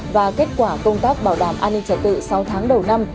và kết quả công tác bảo đảm an ninh trật tự sáu tháng đầu năm